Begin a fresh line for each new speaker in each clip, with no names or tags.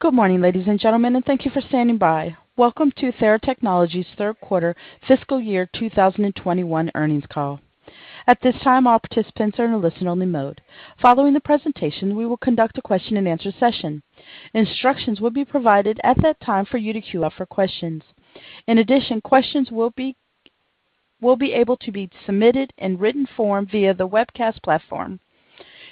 Good morning, ladies and gentlemen, and thank you for standing by. Welcome to Theratechnologies' Third Quarter fiscal year 2021 earnings call. At this time, all participants are in a listen-only mode. Following the presentation, we will conduct a question-and-answer session. Instructions will be provided at that time for you to queue up for questions. In addition, questions will be able to be submitted in written form via the webcast platform.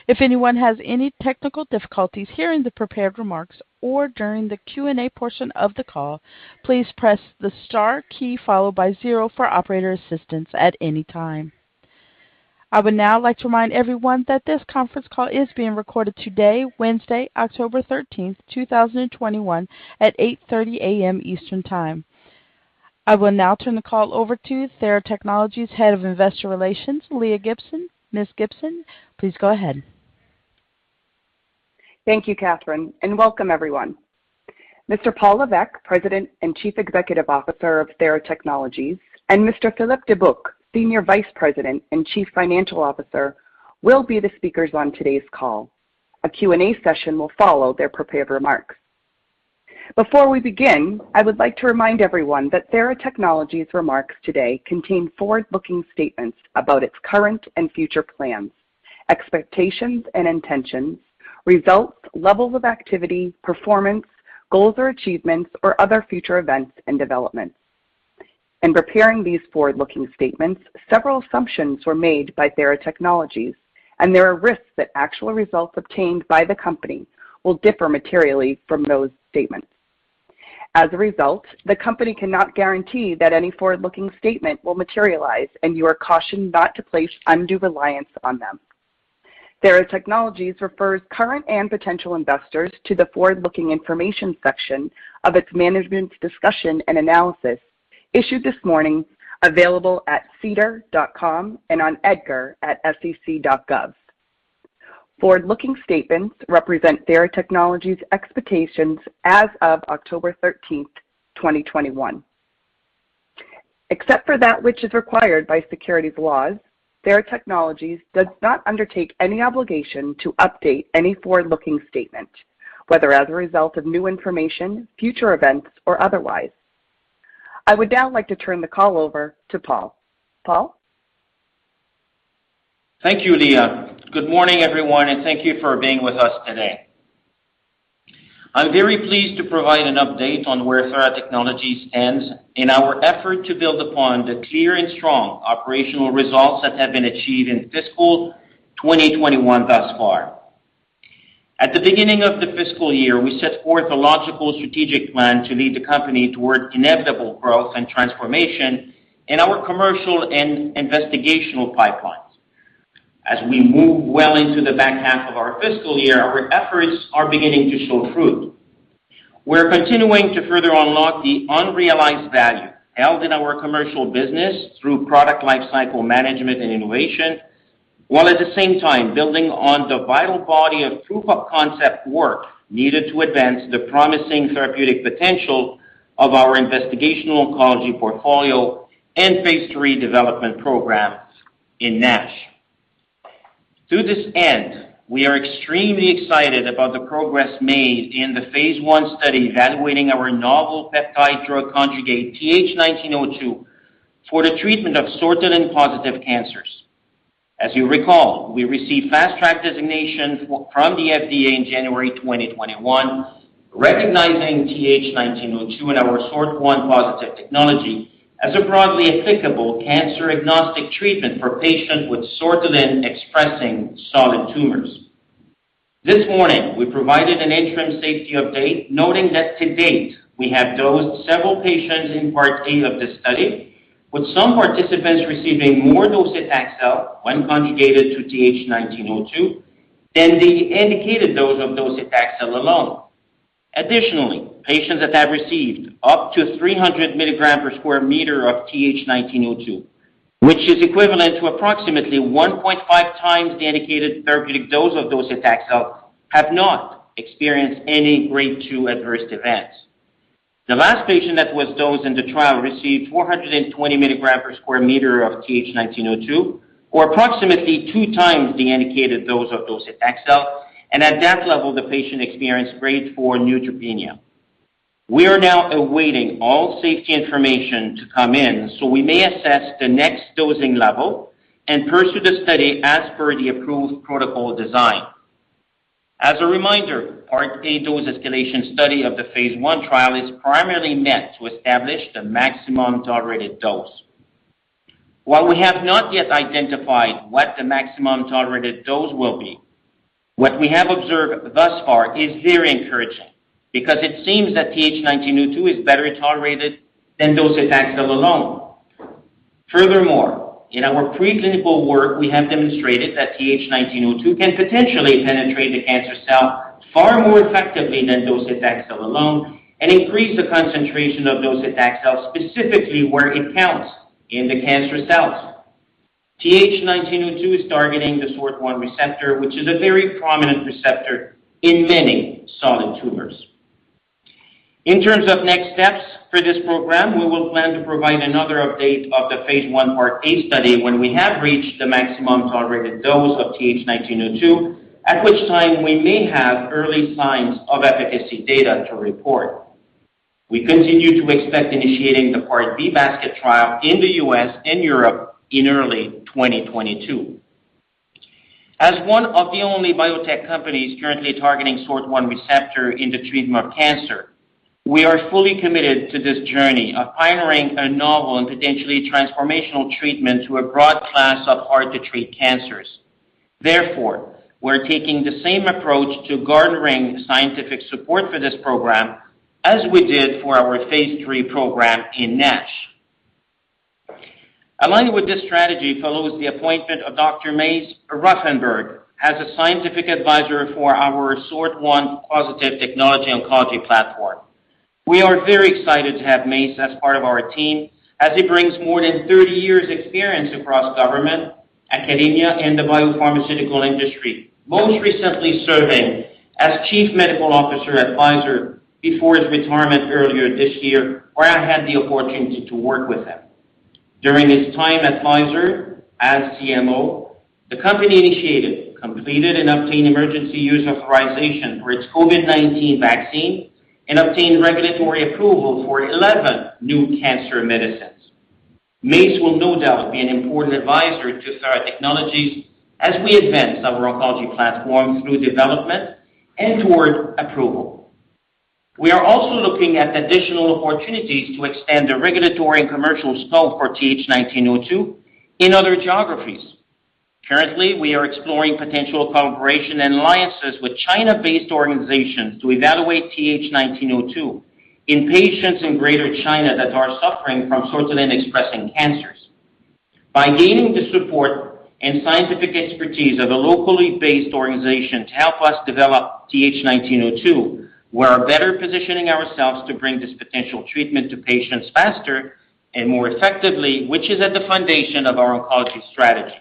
If anyone has any technical difficulties hearing the prepared remarks or during the Q&A portion of the call, please press the star key followed by zero for operator assistance at any time. I would now like to remind everyone that this conference call is being recorded today, Wednesday, October 13, 2021, at 8:30 A.M. Eastern Time. I will now turn the call over to Theratechnologies' Head of Investor Relations, Leah Gibson. Ms. Gibson, please go ahead.
Thank you, Catherine, and welcome everyone. Mr. Paul Lévesque, President and Chief Executive Officer of Theratechnologies, and Mr. Philippe Dubuc, Senior Vice President and Chief Financial Officer, will be the speakers on today's call. A Q&A session will follow their prepared remarks. Before we begin, I would like to remind everyone that Theratechnologies' remarks today contain forward-looking statements about its current and future plans, expectations and intentions, results, levels of activity, performance, goals or achievements, or other future events and developments. In preparing these forward-looking statements, several assumptions were made by Theratechnologies, and there are risks that actual results obtained by the company will differ materially from those statements. As a result, the company cannot guarantee that any forward-looking statement will materialize, and you are cautioned not to place undue reliance on them. Theratechnologies refers current and potential investors to the forward-looking information section of its management's discussion and analysis issued this morning, available at sedar.com and on edgar.sec.gov. Forward-looking statements represent Theratechnologies' expectations as of October 13, 2021. Except for that which is required by securities laws, Theratechnologies does not undertake any obligation to update any forward-looking statement, whether as a result of new information, future events, or otherwise. I would now like to turn the call over to Paul. Paul?
Thank you, Leah. Good morning, everyone, and thank you for being with us today. I'm very pleased to provide an update on where Theratechnologies stands in our effort to build upon the clear and strong operational results that have been achieved in fiscal 2021 thus far. At the beginning of the fiscal year, we set forth a logical strategic plan to lead the company towards inevitable growth and transformation in our commercial and investigational pipelines. As we move well into the back half of our fiscal year, our efforts are beginning to show fruit. We're continuing to further unlock the unrealized value held in our commercial business through product lifecycle management and innovation, while at the same time building on the vital body of proof-of-concept work needed to advance the promising therapeutic potential of our investigational oncology portfolio and phase III development programs in NASH. To this end, we are extremely excited about the progress made in the phase I study evaluating our novel peptide-drug conjugate TH1902 for the treatment of sortilin-positive cancers. As you recall, we received Fast Track designation from the FDA in January 2021 recognizing TH1902 and our SORT1+ Technology as a broadly applicable cancer-agnostic treatment for patients with sortilin-expressing solid tumors. This morning, we provided an interim safety update noting that to date, we have dosed several patients in Part A of the study, with some participants receiving more docetaxel when conjugated to TH1902 than the indicated dose of docetaxel alone. Additionally, patients that have received up to 300 mg/sq m of TH1902, which is equivalent to approximately 1.5x the indicated therapeutic dose of docetaxel, have not experienced any Grade 2 adverse events. The last patient that was dosed in the trial received 420 mg per sq m of TH1902 or approximately two times the indicated dose of docetaxel, and at that level, the patient experienced Grade 4 neutropenia. We are now awaiting all safety information to come in so we may assess the next dosing level and pursue the study as per the approved protocol design. As a reminder, Part A dose escalation study of the phase I trial is primarily meant to establish the maximum tolerated dose. While we have not yet identified what the maximum tolerated dose will be, what we have observed thus far is very encouraging because it seems that TH1902 is better tolerated than docetaxel alone. In our preclinical work, we have demonstrated that TH1902 can potentially penetrate the cancer cell far more effectively than docetaxel alone and increase the concentration of docetaxel specifically where it counts, in the cancer cells. TH1902 is targeting the SORT1 receptor, which is a very prominent receptor in many solid tumors. In terms of next steps for this program, we will plan to provide another update of the phase I Part A study when we have reached the maximum tolerated dose of TH1902, at which time we may have early signs of efficacy data to report. We continue to expect initiating the Part B basket trial in the U.S. and Europe in early 2022. As one of the only biotech companies currently targeting SORT1 receptor in the treatment of cancer, we are fully committed to this journey of pioneering a novel and potentially transformational treatment to a broad class of hard-to-treat cancers. Therefore, we're taking the same approach to garnering scientific support for this program as we did for our phase III program in NASH. Aligned with this strategy follows the appointment of Dr. Mace Rothenberg as a Scientific Advisor for our SORT1+ Technology oncology platform. We are very excited to have Mace as part of our team, as he brings more than 30 years' experience across government, academia, and the biopharmaceutical industry, most recently serving as Chief Medical Officer at Pfizer before his retirement earlier this year, where I had the opportunity to work with him. During his time at Pfizer as CMO, the company initiated, completed, and obtained emergency use authorization for its COVID-19 vaccine and obtained regulatory approval for 11 new cancer medicines. Mace will no doubt be an important advisor to Theratechnologies as we advance our oncology platform through development and toward approval. We are also looking at additional opportunities to extend the regulatory and commercial scope for TH1902 in other geographies. Currently, we are exploring potential cooperation and alliances with China-based organizations to evaluate TH1902 in patients in Greater China that are suffering from sortilin-expressing cancers. By gaining the support and scientific expertise of a locally based organization to help us develop TH1902, we're better positioning ourselves to bring this potential treatment to patients faster and more effectively, which is at the foundation of our oncology strategy.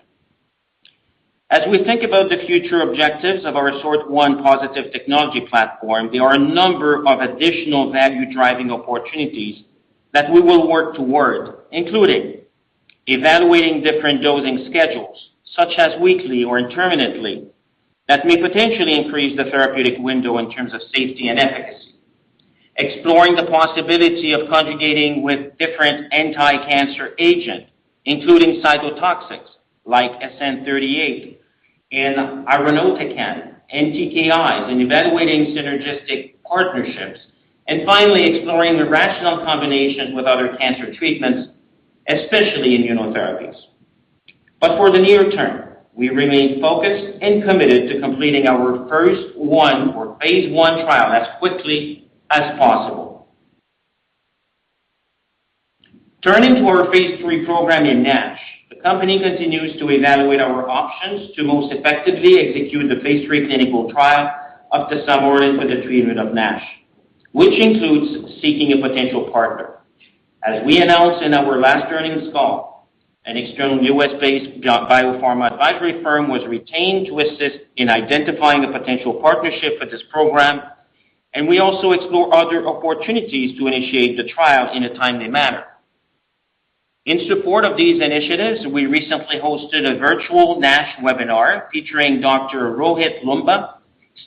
As we think about the future objectives of our SORT1+ Technology platform, there are a number of additional value-driving opportunities that we will work toward, including evaluating different dosing schedules, such as weekly or intermittently, that may potentially increase the therapeutic window in terms of safety and efficacy. Exploring the possibility of conjugating with different anti-cancer agents, including cytotoxics like SN-38 and irinotecan, and TKIs in evaluating synergistic partnerships. Finally, exploring the rational combinations with other cancer treatments, especially immunotherapies. For the near term, we remain focused and committed to completing our first one or phase I trial as quickly as possible. Turning to our phase III program in NASH, the company continues to evaluate our options to most effectively execute the phase III clinical trial of tesamorelin for the treatment of NASH, which includes seeking a potential partner. As we announced in our last earnings call, an external U.S.-based biopharma advisory firm was retained to assist in identifying a potential partnership for this program, and we also explore other opportunities to initiate the trial in a timely manner. In support of these initiatives, we recently hosted a virtual NASH webinar featuring Dr. Rohit Loomba,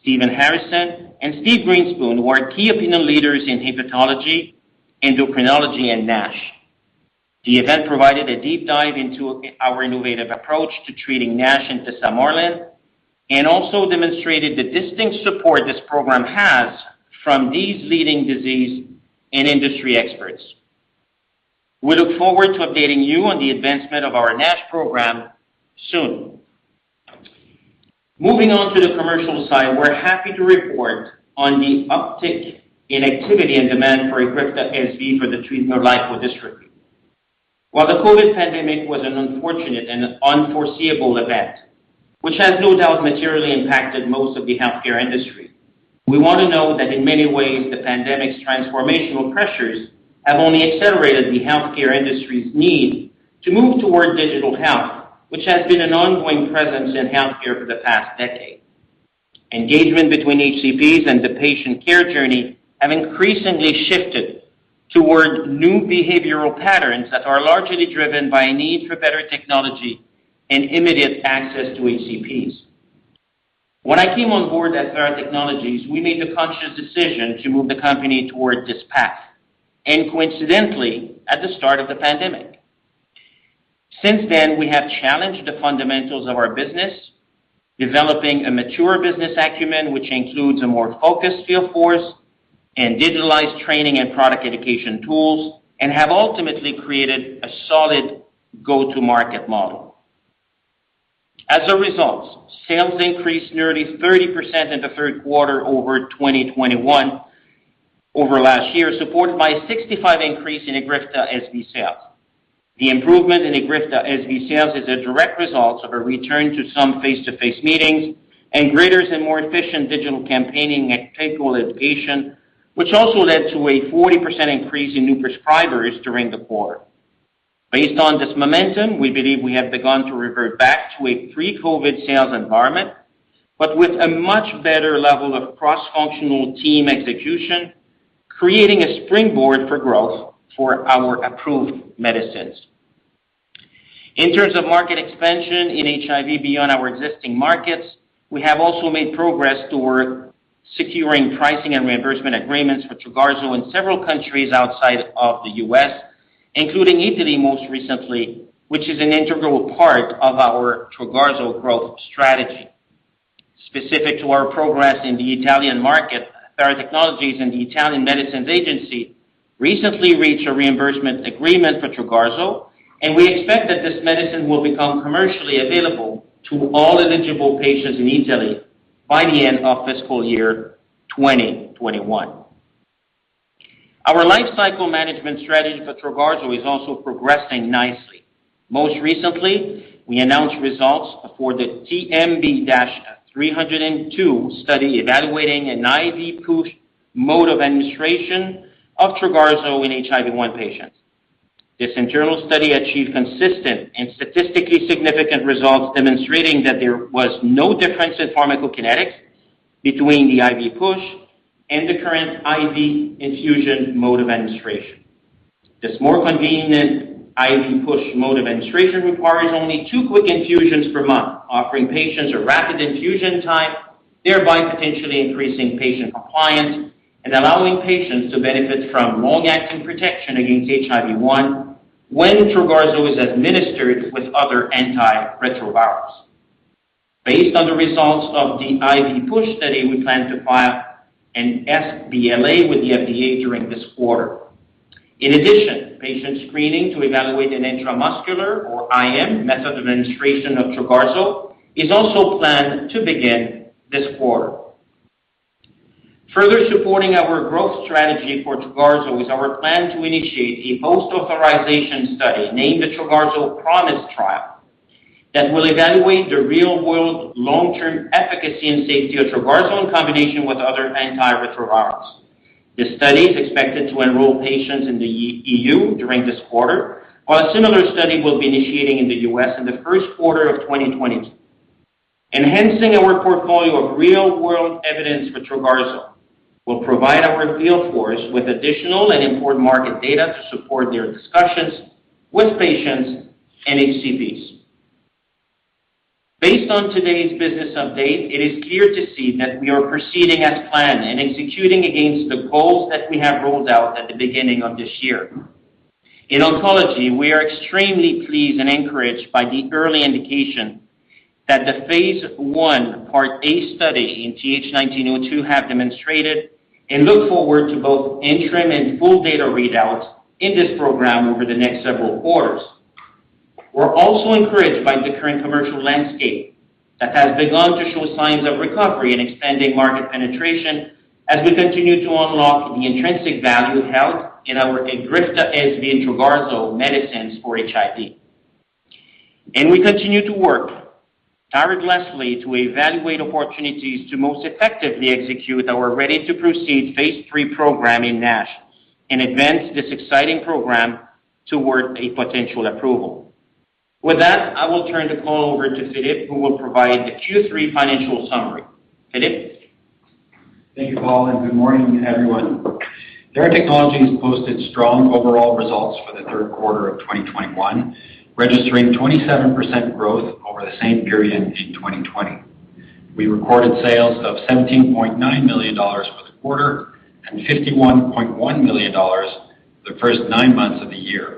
Stephen Harrison, and Steven Grinspoon, who are key opinion leaders in hepatology, endocrinology, and NASH. The event provided a deep dive into our innovative approach to treating NASH and tesamorelin and also demonstrated the distinct support this program has from these leading disease and industry experts. We look forward to updating you on the advancement of our NASH program soon. Moving on to the commercial side, we're happy to report on the uptick in activity and demand for EGRIFTA SV for the treatment of lipodystrophy. While the COVID pandemic was an unfortunate and unforeseeable event, which has no doubt materially impacted most of the healthcare industry, we want to note that in many ways, the pandemic’s transformational pressures have only accelerated the healthcare industry’s need to move toward digital health, which has been an ongoing presence in healthcare for the past decade. Engagement between HCPs and the patient care journey have increasingly shifted toward new behavioral patterns that are largely driven by a need for better technology and immediate access to HCPs. When I came on board at Theratechnologies, we made the conscious decision to move the company towards this path, and coincidentally, at the start of the pandemic. Since then, we have challenged the fundamentals of our business, developing a mature business acumen, which includes a more focused field force and digitalized training and product education tools, and have ultimately created a solid go-to market model. As a result, sales increased nearly 30% in the third quarter over 2021, over last year, supported by a 65 increase in EGRIFTA SV sales. The improvement in EGRIFTA SV sales is a direct result of a return to some face-to-face meetings and greater and more efficient digital campaigning at patient, which also led to a 40% increase in new prescribers during the quarter. Based on this momentum, we believe we have begun to revert back to a pre-COVID sales environment, but with a much better level of cross-functional team execution, creating a springboard for growth for our approved medicines. In terms of market expansion in HIV beyond our existing markets, we have also made progress toward securing pricing and reimbursement agreements for Trogarzo in several countries outside of the U.S., including Italy most recently, which is an integral part of our Trogarzo growth strategy. Specific to our progress in the Italian market, Theratechnologies and the Italian Medicines Agency recently reached a reimbursement agreement for Trogarzo. We expect that this medicine will become commercially available to all eligible patients in Italy by the end of fiscal year 2021. Our lifecycle management strategy for Trogarzo is also progressing nicely. Most recently, we announced results for the TMB-302 study evaluating an IV push mode of administration of Trogarzo in HIV-1 patients. This internal study achieved consistent and statistically significant results demonstrating that there was no difference in pharmacokinetics between the IV push and the current IV infusion mode of administration. This more convenient IV push mode of administration requires only two quick infusions per month, offering patients a rapid infusion time, thereby potentially increasing patient compliance and allowing patients to benefit from long-acting protection against HIV-1 when Trogarzo is administered with other antiretrovirals. Based on the results of the IV push study, we plan to file an sBLA with the FDA during this quarter. In addition, patient screening to evaluate an intramuscular or IM method of administration of Trogarzo is also planned to begin this quarter. Further supporting our growth strategy for Trogarzo is our plan to initiate a post-authorization study named the Trogarzo PROMISE trial that will evaluate the real-world long-term efficacy and safety of Trogarzo in combination with other antiretrovirals. The study is expected to enroll patients in the E.U. during this quarter, while a similar study will be initiating in the U.S. in the first quarter of 2022. Enhancing our portfolio of real-world evidence for Trogarzo will provide our field force with additional and important market data to support their discussions with patients and HCPs. Based on today's business update, it is clear to see that we are proceeding as planned and executing against the goals that we have rolled out at the beginning of this year. In oncology, we are extremely pleased and encouraged by the early indication that the phase I, part A study in TH1902 have demonstrated and look forward to both interim and full data readouts in this program over the next several quarters. We're also encouraged by the current commercial landscape that has begun to show signs of recovery and expanding market penetration as we continue to unlock the intrinsic value held in our EGRIFTA SV and Trogarzo medicines for HIV. We continue to work tirelessly to evaluate opportunities to most effectively execute our ready to proceed phase III program in NASH and advance this exciting program toward a potential approval. With that, I will turn the call over to Philippe, who will provide the Q3 financial summary. Philippe?
Thank you, Paul, and good morning, everyone. Theratechnologies posted strong overall results for the third quarter of 2021, registering 27% growth over the same period in 2020. We recorded sales of $17.9 million for the quarter and $51.1 million for the first nine months of the year.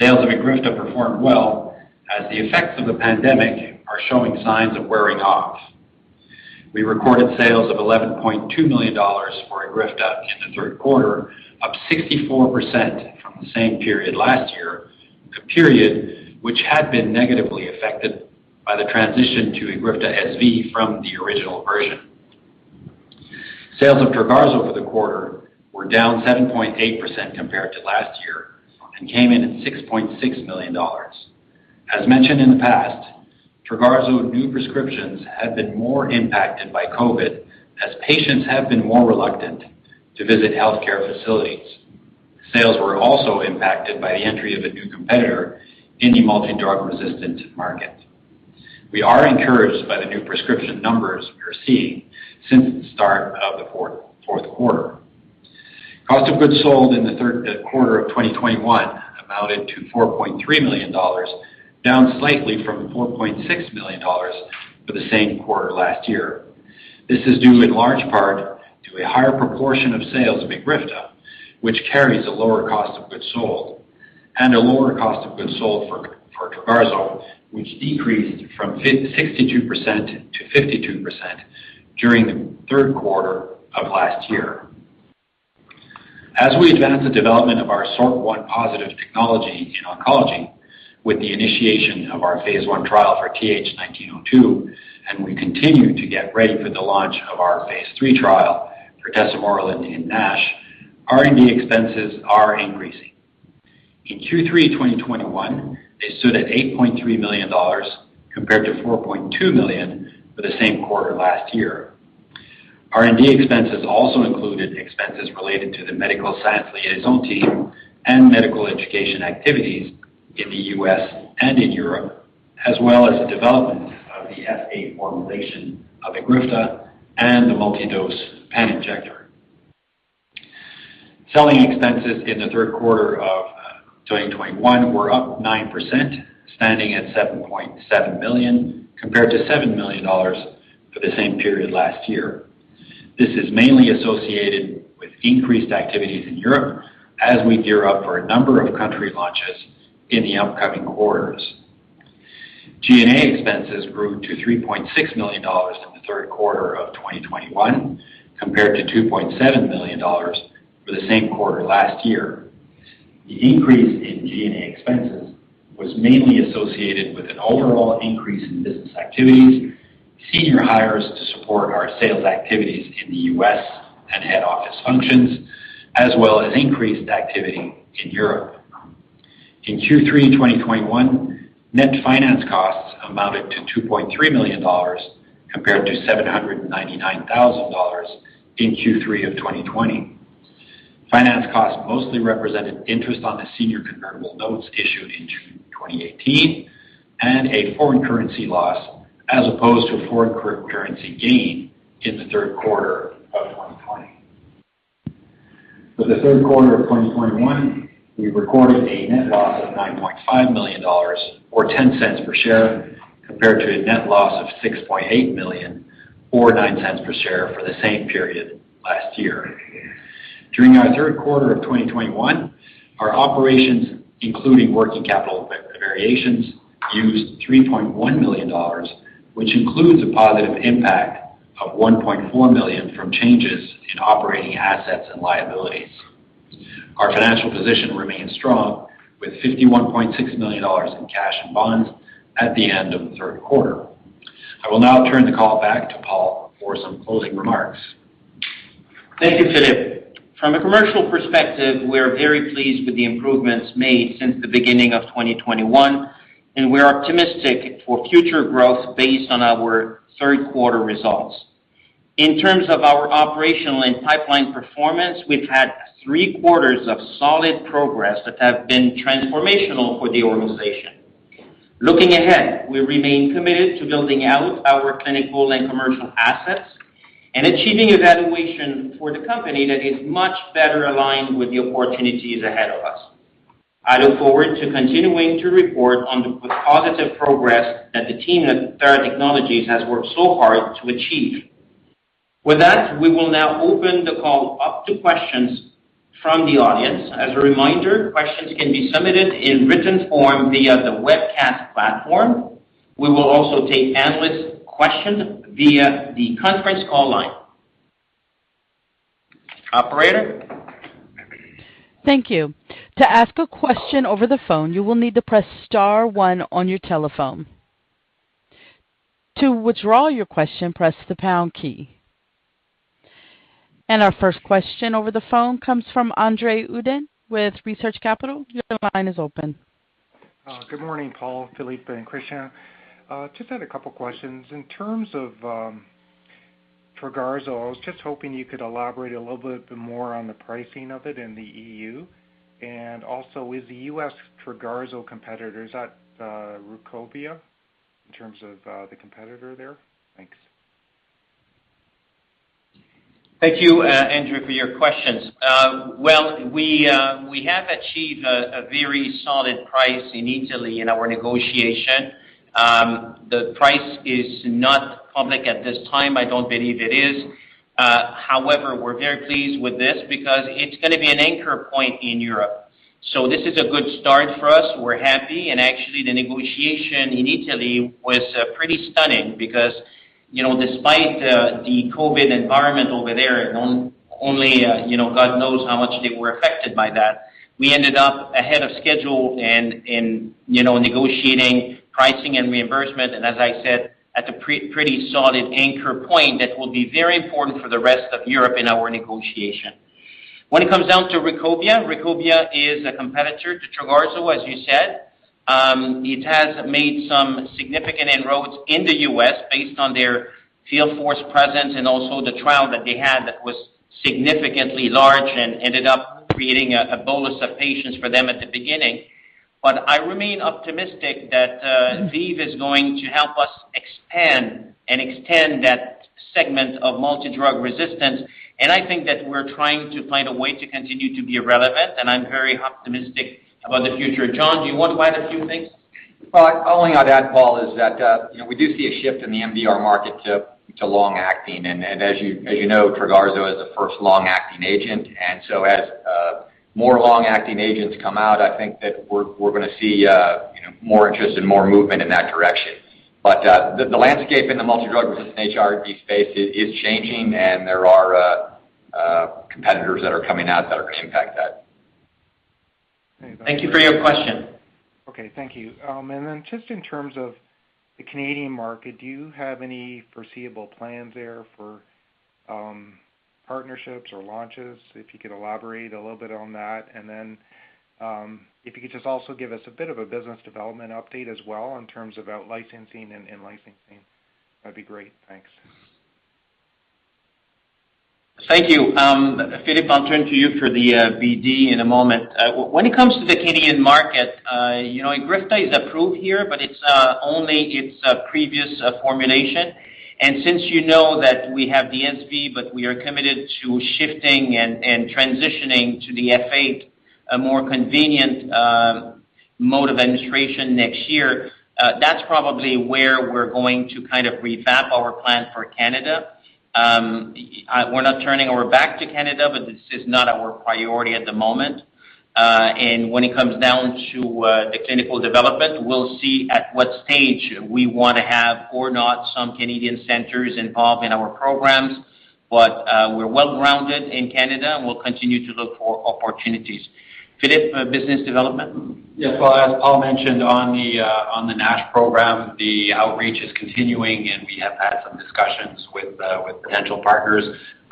Sales of EGRIFTA performed well as the effects of the pandemic are showing signs of wearing off. We recorded sales of $11.2 million for EGRIFTA in the third quarter, up 64% from the same period last year, the period which had been negatively affected by the transition to EGRIFTA SV from the original version. Sales of Trogarzo for the quarter were down 7.8% compared to last year and came in at $6.6 million. As mentioned in the past, Trogarzo new prescriptions have been more impacted by COVID as patients have been more reluctant to visit healthcare facilities. Sales were also impacted by the entry of a new competitor in the multi-drug resistant market. We are encouraged by the new prescription numbers we are seeing since the start of the fourth quarter. Cost of goods sold in the third quarter of 2021 amounted to $4.3 million, down slightly from the $4.6 million for the same quarter last year. This is due in large part to a higher proportion of sales of EGRIFTA, which carries a lower cost of goods sold and a lower cost of goods sold for Trogarzo, which decreased from 62% to 52% during the third quarter of last year. As we advance the development of our SORT1+ Technology in oncology with the initiation of our phase I trial for TH1902, and we continue to get ready for the launch of our phase III trial for tesamorelin in NASH, R&D expenses are increasing. In Q3 2021, they stood at $8.3 million compared to $4.2 million for the same quarter last year. R&D expenses also included expenses related to the medical science liaison team and medical education activities in the U.S. and in Europe, as well as the development of the F8 formulation of EGRIFTA and the multi-dose pen injector. Selling expenses in the third quarter of 2021 were up 9%, standing at $7.7 million, compared to $7 million for the same period last year. This is mainly associated with increased activities in Europe as we gear up for a number of country launches in the upcoming quarters. G&A expenses grew to $3.6 million in the third quarter of 2021 compared to $2.7 million for the same quarter last year. The increase in G&A expenses was mainly associated with an overall increase in business activities, senior hires to support our sales activities in the U.S. and head office functions, as well as increased activity in Europe. In Q3 2021, net finance costs amounted to 2.3 million dollars compared to 799,000 dollars in Q3 of 2020. Finance costs mostly represented interest on the senior convertible notes issued in June 2018 and a foreign currency loss as opposed to a foreign currency gain in the third quarter of 2020. For the third quarter of 2021, we recorded a net loss of 9.5 million dollars, or 0.10 per share, compared to a net loss of 6.8 million, or 0.09 per share for the same period last year. During our third quarter of 2021, our operations, including working capital variations, used $3.1 million, which includes a positive impact of $1.4 million from changes in operating assets and liabilities. Our financial position remains strong, with $51.6 million in cash and bonds at the end of the third quarter. I will now turn the call back to Paul for some closing remarks.
Thank you, Philippe. From a commercial perspective, we are very pleased with the improvements made since the beginning of 2021. We're optimistic for future growth based on our third-quarter results. In terms of our operational and pipeline performance, we've had three quarters of solid progress that have been transformational for the organization. Looking ahead, we remain committed to building out our clinical and commercial assets and achieving a valuation for the company that is much better aligned with the opportunities ahead of us. I look forward to continuing to report on the positive progress that the team at Theratechnologies has worked so hard to achieve. With that, we will now open the call up to questions from the audience. As a reminder, questions can be submitted in written form via the webcast platform. We will also take analyst questions via the conference call line. Operator?
Thank you. To ask a question over the phone, you will need to press star one on your telephone. To withdraw your question, press the pound key. Our first question over the phone comes from André Uddin with Research Capital. Your line is open.
Good morning, Paul, Philippe, and Christian. Just had a couple questions. In terms of Trogarzo, I was just hoping you could elaborate a little bit more on the pricing of it in the E.U. Also, is the U.S. Trogarzo competitor, is that Rukobia in terms of the competitor there? Thanks.
Thank you, André, for your questions. We have achieved a very solid price in Italy in our negotiation. The price is not public at this time. I don't believe it is. However, we're very pleased with this because it's going to be an anchor point in Europe. This is a good start for us. We're happy, and actually, the negotiation in Italy was pretty stunning because despite the COVID-19 environment over there, and only God knows how much they were affected by that, we ended up ahead of schedule in negotiating pricing and reimbursement. As I said, at a pretty solid anchor point that will be very important for the rest of Europe in our negotiation. When it comes down to Rukobia is a competitor to Trogarzo, as you said. It has made some significant inroads in the U.S. based on their field force presence and also the trial that they had that was significantly large and ended up creating a bolus of patients for them at the beginning. I remain optimistic that ViiV is going to help us expand and extend that segment of multi-drug resistance. I think that we're trying to find a way to continue to be relevant, and I'm very optimistic about the future. John, do you want to add a few things?
Well, all I'd add, Paul, is that we do see a shift in the MDR market to long-acting, and as you know, Trogarzo is the first long-acting agent. As more long-acting agents come out, I think that we're going to see more interest and more movement in that direction. The landscape in the multi-drug resistant HIV space is changing, and there are competitors that are coming out that are going to impact that.
Thank you for your question.
Okay. Thank you. Then just in terms of the Canadian market, do you have any foreseeable plans there for partnerships or launches, if you could elaborate a little bit on that. Then if you could just also give us a bit of a business development update as well in terms of out-licensing and in-licensing, that'd be great. Thanks.
Thank you. Philippe, I'll turn to you for the BD in a moment. When it comes to the Canadian market, EGRIFTA is approved here, but it's only its previous formulation. Since you know that we have the NP, but we are committed to shifting and transitioning to the F8, a more convenient mode of administration next year, that's probably where we're going to revamp our plan for Canada. We're not turning our back to Canada, but this is not our priority at the moment. When it comes down to the clinical development, we'll see at what stage we want to have or not some Canadian centers involved in our programs. We're well-grounded in Canada, and we'll continue to look for opportunities. Philippe, business development?
Yes. Well, as Paul mentioned on the NASH program, the outreach is continuing. We have had some discussions with potential partners.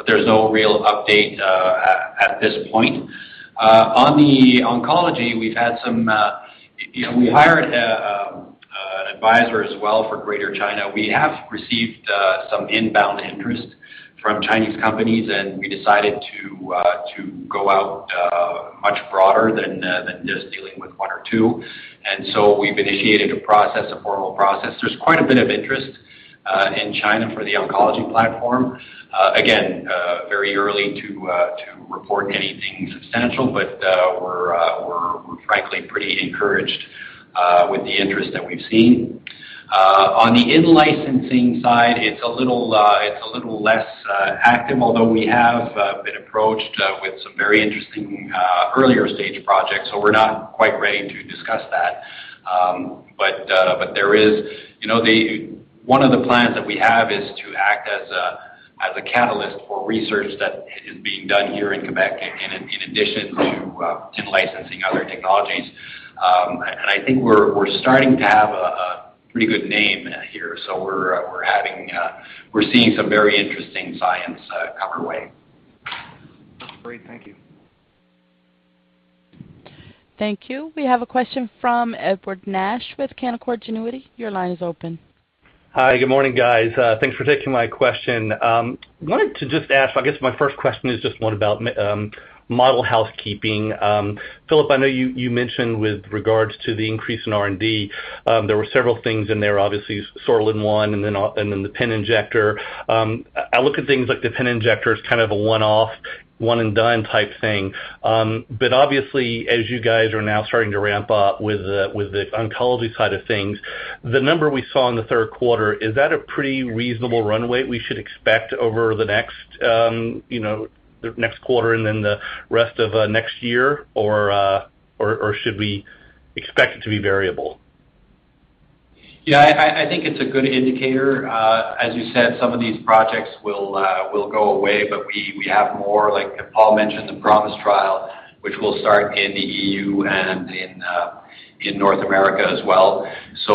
There's no real update at this point. On the oncology, we hired an advisor as well for Greater China. We have received some inbound interest from Chinese companies. We decided to go out much broader than just dealing with one or two. We've initiated a formal process. There's quite a bit of interest in China for the oncology platform. Again, very early to report anything substantial. We're frankly pretty encouraged with the interest that we've seen. On the in-licensing side, it's a little less active, although we have been approached with some very interesting earlier-stage projects. We're not quite ready to discuss that. One of the plans that we have is to act as a catalyst for research that is being done here in Quebec in addition to in-licensing other technologies. I think we're starting to have a pretty good name here, so we're seeing some very interesting science come our way.
That's great. Thank you.
Thank you. We have a question from Edward Nash with Canaccord Genuity. Your line is open.
Hi. Good morning, guys. Thanks for taking my question. I wanted to just ask, I guess my first question is just one about model housekeeping. Philippe, I know you mentioned with regards to the increase in R&D, there were several things in there, obviously Sortilin-1, and then the pen injector. I look at things like the pen injector as kind of a one-off, one-and-done type thing. Obviously, as you guys are now starting to ramp up with the oncology side of things, the number we saw in the third quarter, is that a pretty reasonable runway we should expect over the next quarter and then the rest of next year, or should we expect it to be variable?
Yeah, I think it's a good indicator. As you said, some of these projects will go away, but we have more, like Paul mentioned, the PROMISE trial, which will start in the E.U. and in North America as well.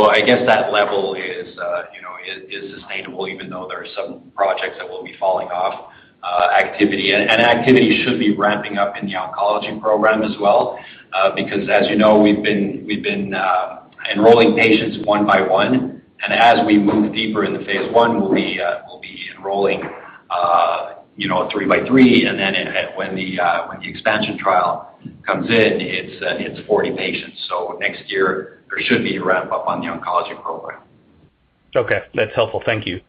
I guess that level is sustainable, even though there are some projects that will be falling off activity. Activity should be ramping up in the oncology program as well, because as you know, we've been enrolling patients one by one, and as we move deeper into phase I, we'll be enrolling three by three, and then when the expansion trial comes in, it's 40 patients. Next year, there should be a ramp-up on the oncology program.
Okay. That's helpful. Thank you.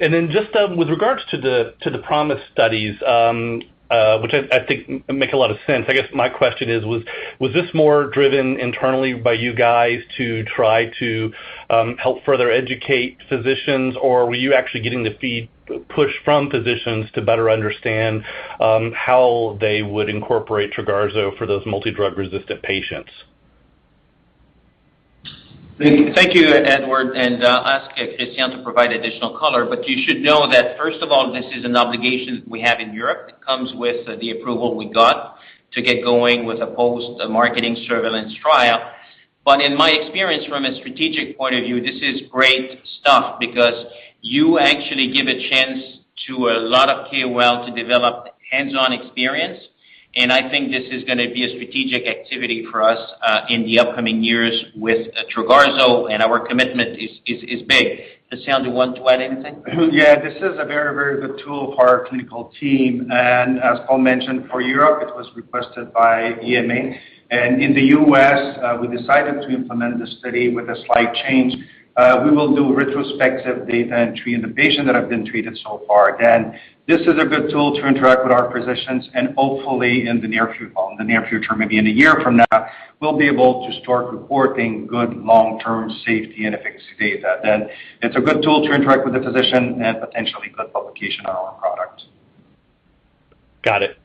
Just with regards to the PROMISE studies, which I think make a lot of sense, I guess my question is, was this more driven internally by you guys to try to help further educate physicians, or were you actually getting the push from physicians to better understand how they would incorporate Trogarzo for those multi-drug-resistant patients?
Thank you, Edward. I'll ask Christian to provide additional color. You should know that, first of all, this is an obligation we have in Europe. It comes with the approval we got to get going with a post-marketing surveillance trial. In my experience, from a strategic point of view, this is great stuff because you actually give a chance to a lot of KOL to develop hands-on experience, and I think this is going to be a strategic activity for us in the upcoming years with Trogarzo, and our commitment is big. Christian, do you want to add anything?
Yeah. This is a very, very good tool for our clinical team. As Paul mentioned, for Europe, it was requested by EMA. In the U.S., we decided to implement the study with a slight change. We will do retrospective data entry in the patients that have been treated so far. Again, this is a good tool to interact with our physicians, and hopefully in the near future, maybe in 1 year from now, we'll be able to start reporting good long-term safety and efficacy data. It's a good tool to interact with the physician and potentially good publication on our product.
Got it.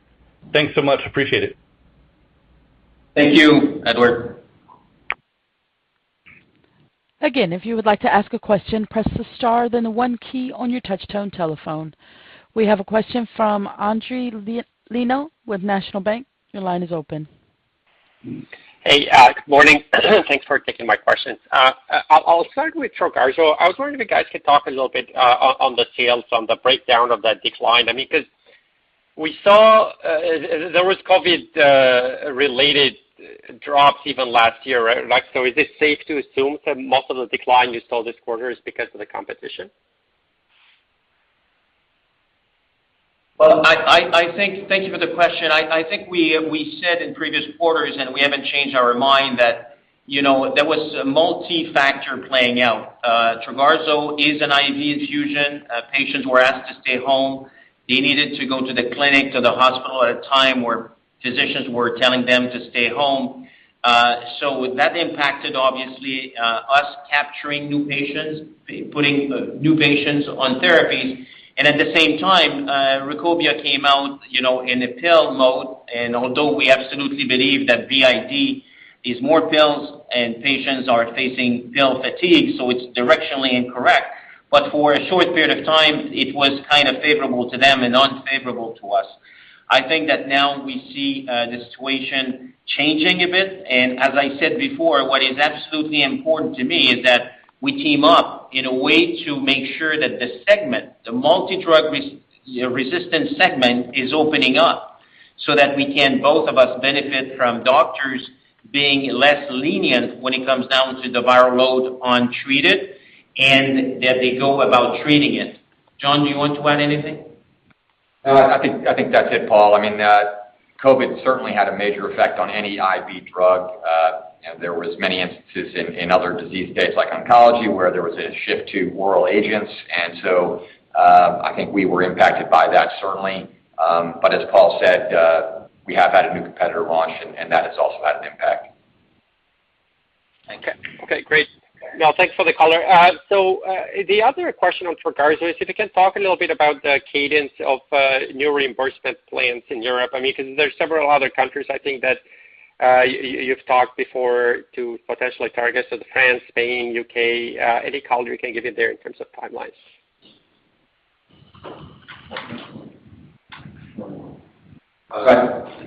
Thanks so much. Appreciate it.
Thank you, Edward.
If you would like to ask a question, press the star, then the one key on your touch tone telephone. We have a question from Endri Leno with National Bank. Your line is open.
Hey, good morning. Thanks for taking my questions. I'll start with Trogarzo. I was wondering if you guys could talk a little bit on the sales, on the breakdown of that decline. We saw there was COVID-related drops even last year, right? Is it safe to assume that most of the decline you saw this quarter is because of the competition?
Well, thank you for the question. I think we said in previous quarters, and we haven't changed our mind, that there was a multi-factor playing out. Trogarzo is an IV infusion. Patients were asked to stay home. They needed to go to the clinic, to the hospital at a time where physicians were telling them to stay home. That impacted, obviously, us capturing new patients, putting new patients on therapies. At the same time, Rukobia came out in a pill mode. Although we absolutely believe that BID is more pills and patients are facing pill fatigue, it's directionally incorrect. For a short period of time, it was kind of favorable to them and unfavorable to us. I think that now we see the situation changing a bit. As I said before, what is absolutely important to me is that we team up in a way to make sure that the segment, the multi-drug resistant segment, is opening up so that we can, both of us, benefit from doctors being less lenient when it comes down to the viral load untreated, and that they go about treating it. John, do you want to add anything?
No, I think that's it, Paul. COVID certainly had a major effect on any IV drug. There was many instances in other disease states like oncology, where there was a shift to oral agents. I think we were impacted by that, certainly. As Paul said, we have had a new competitor launch, and that has also had an impact.
Okay, great. No, thanks for the color. The other question on Trogarzo is if you can talk a little bit about the cadence of new reimbursement plans in Europe. There's several other countries, I think, that you've talked before to potentially target. France, Spain, U.K., any color you can give me there in terms of timelines.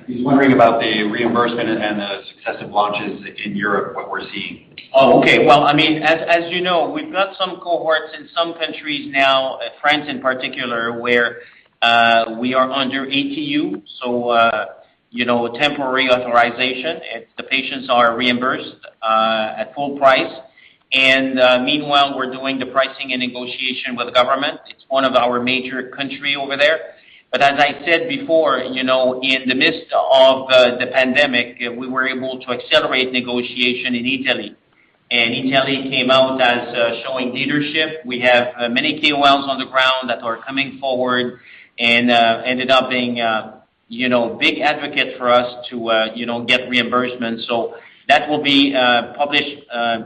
He's wondering about the reimbursement and the successive launches in Europe, what we're seeing.
Oh, okay. Well, as you know, we've got some cohorts in some countries now, France in particular, where we are under ATU, so temporary authorization. The patients are reimbursed at full price. Meanwhile, we're doing the pricing and negotiation with the government. It's one of our major country over there. As I said before, in the midst of the pandemic, we were able to accelerate negotiation in Italy. Italy came out as showing leadership. We have many KOLs on the ground that are coming forward and ended up being a big advocate for us to get reimbursement. That will be published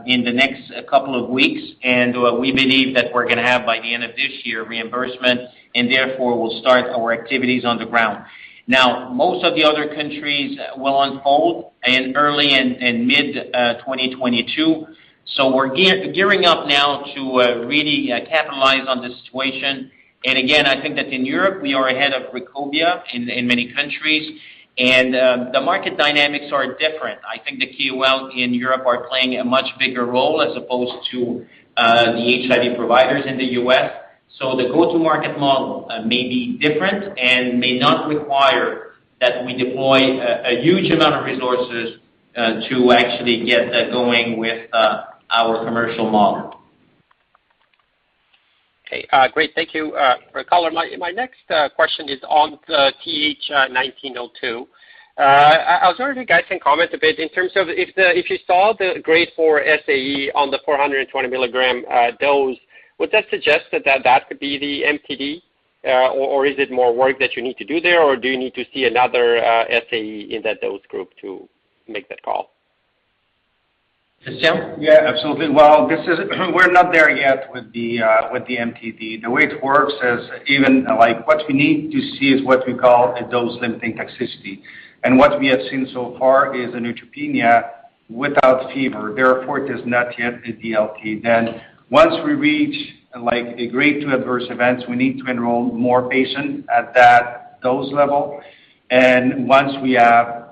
in the next couple of weeks, and we believe that we're going to have, by the end of this year, reimbursement, and therefore will start our activities on the ground. Now, most of the other countries will unfold in early and mid-2022. We're gearing up now to really capitalize on the situation. Again, I think that in Europe, we are ahead of Rukobia in many countries. The market dynamics are different. I think the KOL in Europe are playing a much bigger role as opposed to the HIV providers in the U.S. The go-to-market model may be different and may not require that we deploy a huge amount of resources to actually get that going with our commercial model.
Okay, great. Thank you for color. My next question is on the TH1902. I was wondering if you guys can comment a bit in terms of if you saw the grade 4 SAE on the 420 mg dose, would that suggest that that could be the MTD? Or is it more work that you need to do there, or do you need to see another SAE in that dose group to make that call?
To Christian?
Yeah, absolutely. Well, we're not there yet with the MTD. The way it works is, what we need to see is what we call a dose-limiting toxicity. What we have seen so far is a neutropenia without fever. Therefore, it is not yet a DLT. Once we reach a grade 2 adverse events, we need to enroll more patient at that dose level. Once we have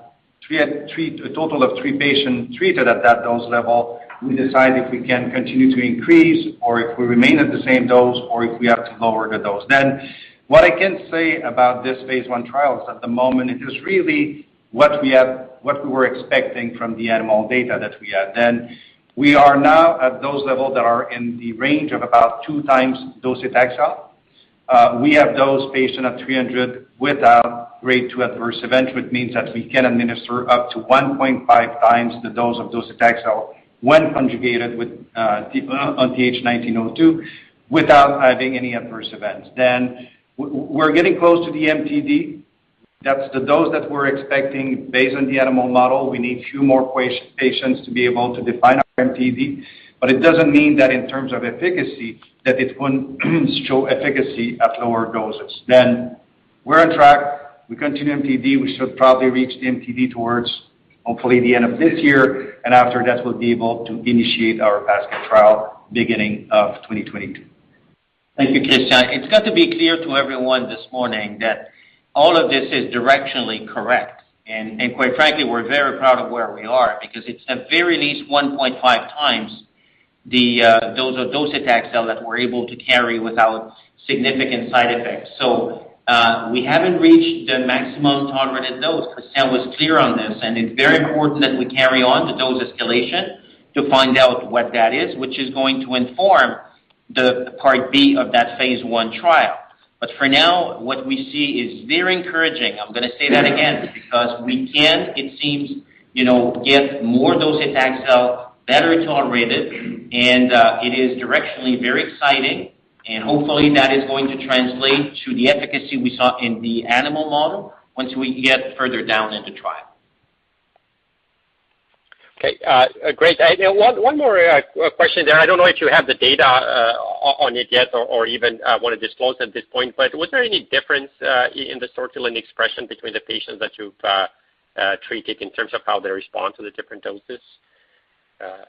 a total of three patients treated at that dose level, we decide if we can continue to increase or if we remain at the same dose, or if we have to lower the dose. What I can say about this phase I trial is at the moment, it is really what we were expecting from the animal data that we had. We are now at dose level that are in the range of about 2x docetaxel. We have dosed patient at 300 without grade 2 adverse event, which means that we can administer up to 1.5x the dose of docetaxel when conjugated with on TH1902 without having any adverse events. We're getting close to the MTD. That's the dose that we're expecting based on the animal model. We need few more patients to be able to define our MTD, but it doesn't mean that in terms of efficacy, that it wouldn't show efficacy at lower doses. We're on track. We continue MTD. We should probably reach the MTD towards, hopefully, the end of this year. After that, we'll be able to initiate our basket trial beginning of 2022.
Thank you, Christian. It's got to be clear to everyone this morning that all of this is directionally correct. Quite frankly, we're very proud of where we are because it's at very least 1.5x the dose of docetaxel that we're able to carry without significant side effects. We haven't reached the maximum tolerated dose. Christian was clear on this, and it's very important that we carry on the dose escalation to find out what that is, which is going to inform the part B of that phase I trial. For now, what we see is very encouraging. I'm going to say that again, because we can, it seems, give more docetaxel, better tolerated, and it is directionally very exciting and hopefully that is going to translate to the efficacy we saw in the animal model once we get further down in the trial.
Okay. Great. One more question there. I don't know if you have the data on it yet or even want to disclose at this point, but was there any difference in the Sortilin expression between the patients that you've treated in terms of how they respond to the different doses?
At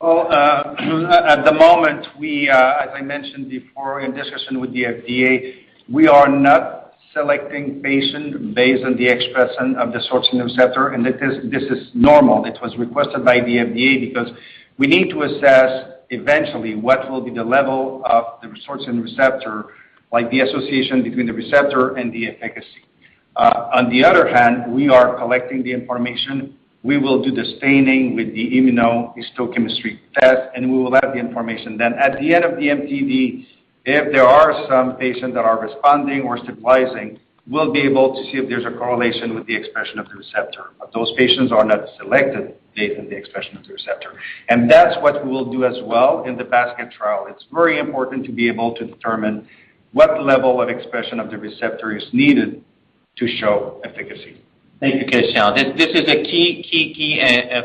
the moment, as I mentioned before in discussion with the FDA, we are not selecting patients based on the expression of the sortilin receptor, this is normal. It was requested by the FDA because we need to assess eventually what will be the level of the sortilin receptor, like the association between the receptor and the efficacy. On the other hand, we are collecting the information. We will do the staining with the immunohistochemistry test, we will have the information then. At the end of the MTD, if there are some patients that are responding or stabilizing, we'll be able to see if there's a correlation with the expression of the receptor. Those patients are not selected based on the expression of the receptor. That's what we will do as well in the basket trial. It's very important to be able to determine what level of expression of the receptor is needed to show efficacy.
Thank you, Christian. This is a key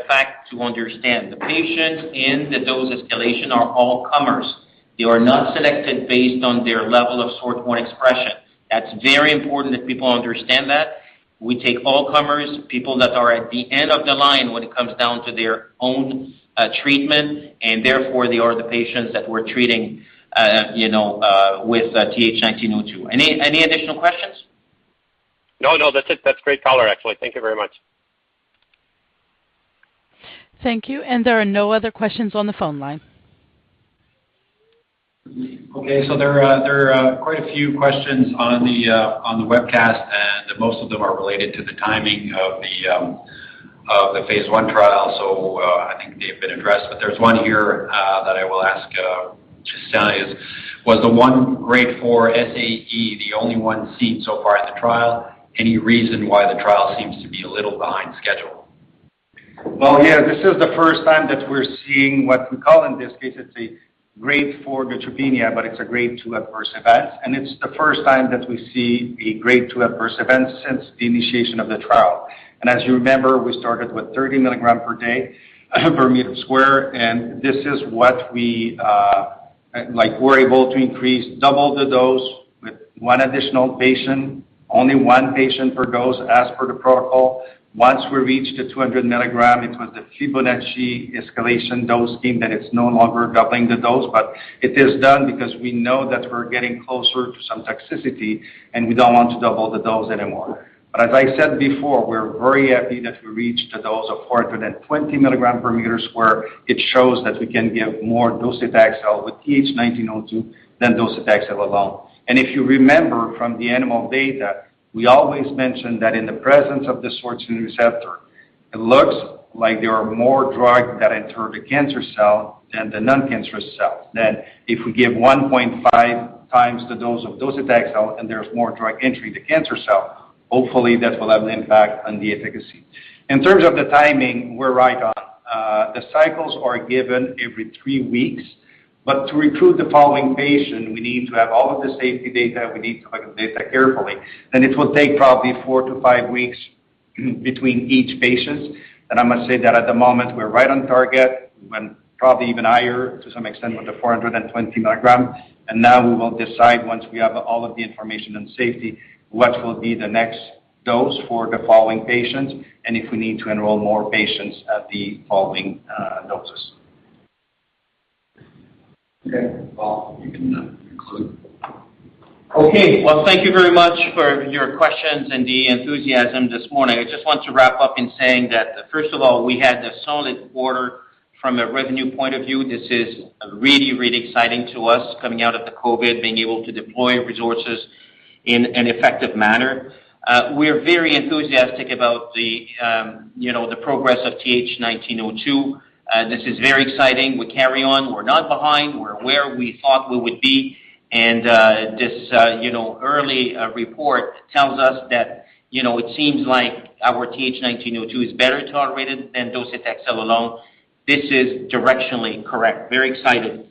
fact to understand. The patients in the dose escalation are all comers. They are not selected based on their level of SORT1 expression. That's very important that people understand that. We take all comers, people that are at the end of the line when it comes down to their own treatment. Therefore, they are the patients that we're treating with TH1902. Any additional questions?
No, that is it. That is a great color, actually. Thank you very much.
Thank you. There are no other questions on the phone line.
There are quite a few questions on the webcast, and most of them are related to the timing of the phase I trial, so I think they've been addressed. There's one here that I will ask Christian is, was the one grade 4 SAE the only one seen so far in the trial? Any reason why the trial seems to be a little behind schedule?
Well, yeah. This is the first time that we're seeing what we call in this case, it's a grade 4 neutropenia, but it's a grade 2 adverse event. It's the first time that we see the grade 2 adverse event since the initiation of the trial. As you remember, we started with 30 mg per day per m sq, and this is what we were able to increase, double the dose with one additional patient, only one patient per dose as per the protocol. Once we reached the 200 mg, it was the Fibonacci escalation dose scheme that it's no longer doubling the dose. It is done because we know that we're getting closer to some toxicity, and we don't want to double the dose anymore. As I said before, we're very happy that we reached a dose of 420 mg per m sq. It shows that we can give more docetaxel with TH1902 than docetaxel alone. If you remember from the animal data, we always mentioned that in the presence of the sortilin receptor, it looks like there are more drugs that enter the cancer cell than the non-cancerous cell. That if we give 1.5x the dose of docetaxel and there's more drug entry to cancer cell, hopefully that will have an impact on the efficacy. In terms of the timing, we're right on. The cycles are given every three weeks, but to recruit the following patient, we need to have all of the safety data. We need to collect the data carefully, and it will take probably four to five weeks between each patient. I must say that at the moment, we're right on target, probably even higher to some extent with the 420 mg. Now we will decide once we have all of the information on safety, what will be the next dose for the following patients and if we need to enroll more patients at the following doses.
Okay. Well, you can conclude.
Okay. Well, thank you very much for your questions and the enthusiasm this morning. I just want to wrap up in saying that, first of all, we had a solid quarter from a revenue point of view. This is really exciting to us coming out of the COVID, being able to deploy resources in an effective manner. We're very enthusiastic about the progress of TH1902. This is very exciting. We carry on. We're not behind. We're where we thought we would be. This early report tells us that it seems like our TH1902 is better tolerated than docetaxel alone. This is directionally correct. Very exciting.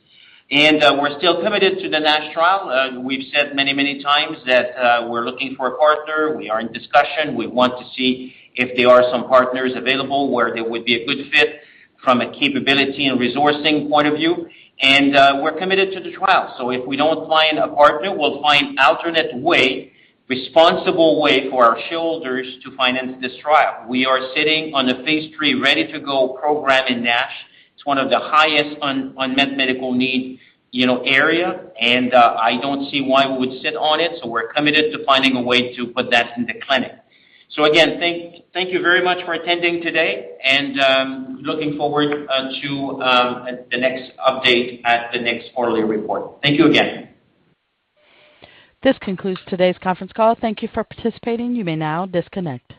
We're still committed to the NASH trial. We've said many times that we're looking for a partner. We are in discussion. We want to see if there are some partners available where there would be a good fit from a capability and resourcing point of view. We're committed to the trial. If we don't find a partner, we'll find alternate way, responsible way for our shoulders to finance this trial. We are sitting on a phase III ready-to-go program in NASH. It's one of the highest unmet medical need area, and I don't see why we would sit on it. We're committed to finding a way to put that in the clinic. Again, thank you very much for attending today and looking forward to the next update at the next quarterly report. Thank you again.
This concludes today's conference call. Thank you for participating. You may now disconnect.